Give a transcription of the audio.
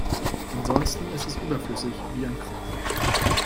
Ansonsten ist es überflüssig wie ein Kropf.